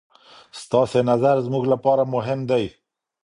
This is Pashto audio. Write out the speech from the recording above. ستاسې نظر زموږ لپاره مهم دی.